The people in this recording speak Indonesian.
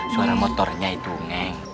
suara motornya itu neng